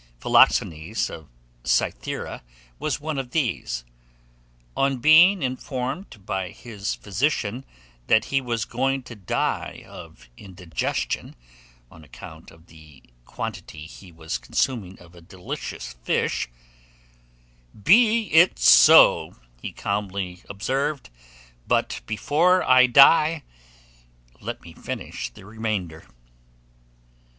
Philoxenes of Cythera was one of these. On being informed by his physician that he was going to die of indigestion, on account of the quantity he was consuming of a delicious fish, "Be it so," he calmly observed; "but before I die, let me finish the remainder."